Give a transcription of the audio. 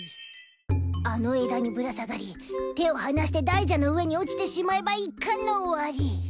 あの枝にぶら下がり手を離して大蛇の上に落ちてしまえば一巻の終わり。